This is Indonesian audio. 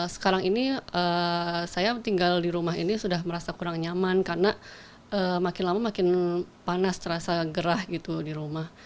sekarang ini saya tinggal di rumah ini sudah merasa kurang nyaman karena makin lama makin panas terasa gerah gitu di rumah